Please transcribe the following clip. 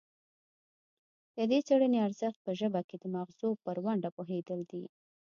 د دې څیړنې ارزښت په ژبه کې د مغزو پر ونډه پوهیدل دي